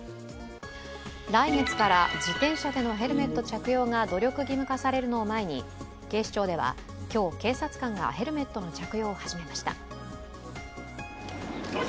来月から自転車でのヘルメット着用が努力義務化されるのを前に警視庁では、今日、警察官がヘルメットの着用を始めました。